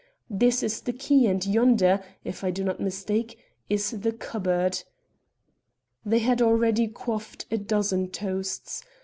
This is the key, and yonder, if I do not mistake, is the cupboard." They had already quaffed a dozen toasts.